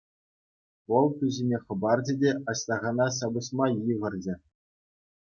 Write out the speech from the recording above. Вӑл ту ҫине хӑпарчӗ те Аҫтахана ҫапӑҫма йыхӑрчӗ.